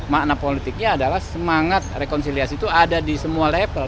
makna politiknya adalah semangat rekonsiliasi itu ada di semua level